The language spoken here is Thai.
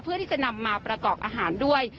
เพื่อที่จะนำมาประกอบอาหารด้วย